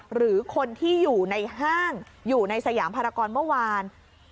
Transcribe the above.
หรือคนที่อยู่ในห้างอยู่ในสยามภารกรเมื่อวาน